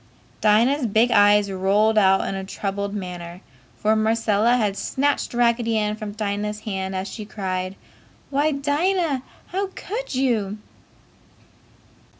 Dinah's big eyes rolled out in a troubled manner, for Marcella had snatched Raggedy Ann from Dinah's hand as she cried, "Why, Dinah! How could you?"